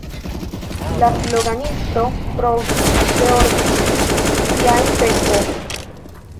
La sloganisto provis reordigi siajn pensojn.